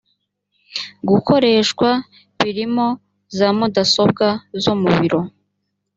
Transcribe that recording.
gukoreshwa birimo za mudasobwa zo mu biro